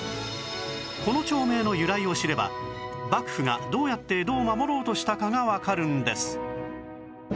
この町名の由来を知れば幕府がどうやって江戸を守ろうとしたかがわかるんです